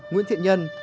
nguyễn thiện nhân